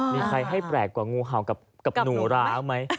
มีใครให้แปลกกว่างูเห่ากับหนูร้าวไหม